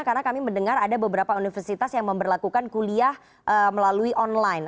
karena kami mendengar ada beberapa universitas yang memperlakukan kuliah melalui online